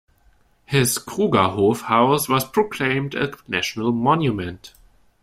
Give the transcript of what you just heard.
His "Krugerhof" house was proclaimed a national monument.